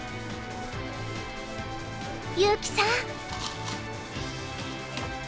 優希さん。